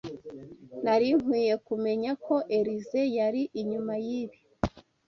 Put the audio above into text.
Nari nkwiye kumenya ko Elyse yari inyuma yibi.